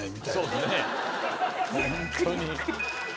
そうっすね